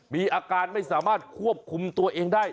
มีอาการไม่สามารถควบคุมตัวเองได้